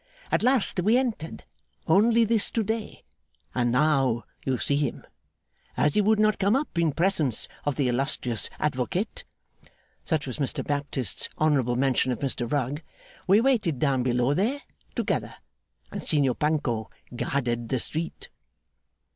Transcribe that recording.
At last we entered, only this to day, and now you see him! As he would not come up in presence of the illustrious Advocate,' such was Mr Baptist's honourable mention of Mr Rugg, 'we waited down below there, together, and Signor Panco guarded the street.